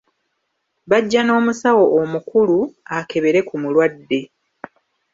Bajja n'omusawo omukulu, akebere ku mulwadde.